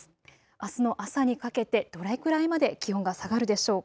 あすの朝にかけてどれくらいまで気温が下がるでしょうか。